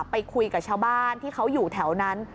ไปคุยกับชาวบ้านที่เขาอยู่แถวนั้น